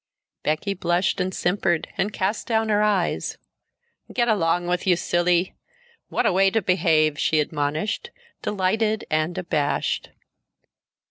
Becky blushed and simpered and cast down her eyes. "Get along with you, Cilley! What a way to behave," she admonished, delighted and abashed.